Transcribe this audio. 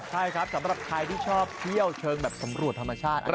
ใช่ครับสำหรับใครที่ชอบเที่ยวเชิงแบบสำรวจธรรมชาติ